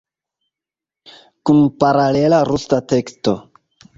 Kun paralela rusa teksto.